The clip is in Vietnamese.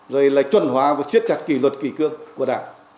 rồi lại chuẩn hóa và siết chặt kỷ luật kỷ cương của đảng